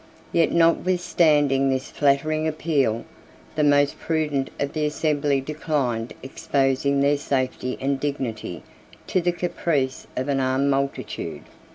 Yet, notwithstanding this flattering appeal, the most prudent of the assembly declined exposing their safety and dignity to the caprice of an armed multitude.